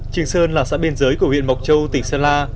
trường sơn là xã biên giới của huyện mộc châu tỉnh sơn la